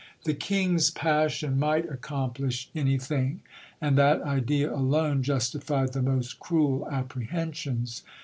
The king's passion might accomplish anything ; and that idea alone justified the most cruel apprehensions.